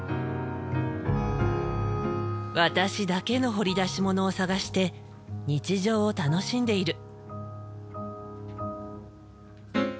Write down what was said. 私だけの掘り出しものを探して日常を楽しんでいる。